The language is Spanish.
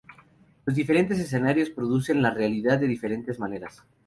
Los diferentes escenarios reproducen la realidad de diferentes maneras.